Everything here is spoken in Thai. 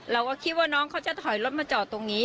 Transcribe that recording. เราก็คิดว่าน้องเขาจะถอยรถมาจอดตรงนี้